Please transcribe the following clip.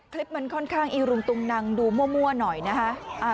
คลิปมันค่อนข้างอีรุงตุงนังดูมั่วหน่อยนะคะ